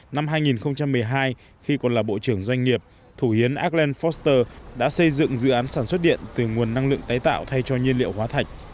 năm hai nghìn một mươi hai khi còn là bộ trưởng doanh nghiệp thủ yến aclen forster đã xây dựng dự án sản xuất điện từ nguồn năng lượng tái tạo thay cho nhiên liệu hóa thạch